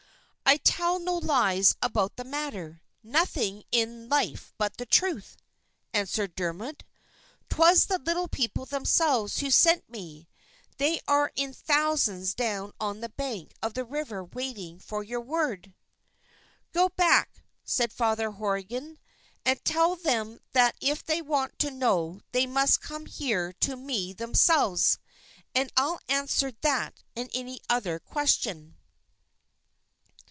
"I'll tell no lies about the matter, nothing in life but the truth," answered Dermod. "'Twas the Little People themselves who sent me. They are in thousands down on the bank of the river waiting for your word." "Go back," said Father Horrigan, "and tell them that if they want to know they must come here to me themselves, and I'll answer that and any other question."